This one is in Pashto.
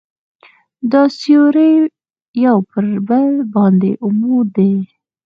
دا سوري یو پر بل باندې عمود دي.